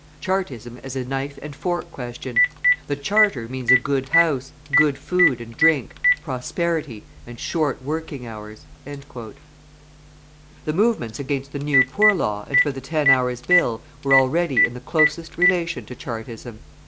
Chartism is a knife and fork question: the Charter means a good house, good food and drink, prosperity, and short working hours." The movements against the new Poor Law and for the Ten Hours' Bill were already in the closest relation to Chartism.